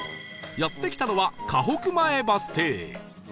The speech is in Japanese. やって来たのは珂北前バス停